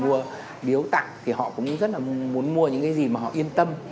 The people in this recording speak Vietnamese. nếu mà họ mua biếu tặng thì họ cũng rất là muốn mua những cái gì mà họ yên tâm